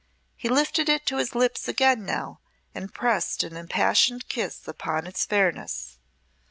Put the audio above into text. He lifted it to his lips again now, and pressed an impassioned kiss upon its fairness.